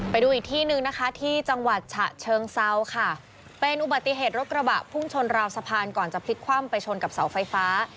ไปดูอีกที่หนึ่งนะคะที่จังหวัดฉะเชิงเซาค่ะเป็นอุบัติเหตุรถกระบะพุ่งชนราวสะพานก่อนจะพลิกคว่ำไปชนกับเสาไฟฟ้า